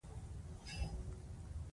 هغوی وایي چې صبر د بریالیتوب مور ده